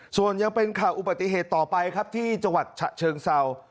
ส่วนยังเป็นข่าวอุบัติเหตุต่อไปครับที่จังหวัดฉะเชิงเศร้า